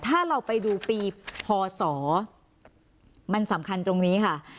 ถ้าเราไปดูปีพศมันสำคัญตรงนี้ค่ะ